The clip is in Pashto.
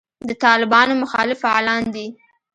د طالبانو مخالف فعالان دي.